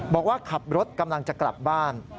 บอกว่าขับรถกำลังจะกลับบ้าน